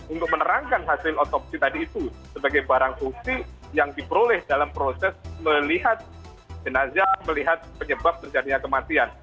untuk menerangkan hasil otopsi tadi itu sebagai barang bukti yang diperoleh dalam proses melihat jenazah melihat penyebab terjadinya kematian